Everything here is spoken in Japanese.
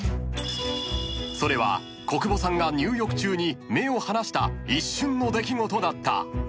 ［それは小久保さんが入浴中に目を離した一瞬の出来事だった］